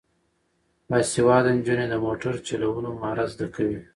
باسواده نجونې د موټر چلولو مهارت زده کوي.